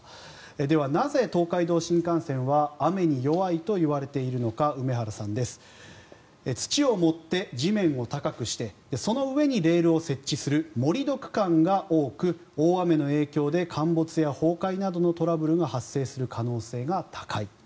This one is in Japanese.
では、なぜ東海道新幹線は雨に弱いといわれているのか梅原さんです。土を盛って地面を高くしてその上にレールを設置する盛り土区間が多く大雨の影響で陥没や崩壊などのトラブルが発生する可能性が高い。